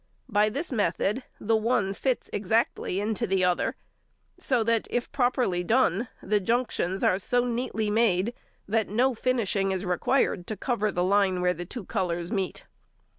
By this method the one fits exactly into the other, so that, if properly done, the junctions are so neatly made that no finishing is required to cover the line where the two colours meet.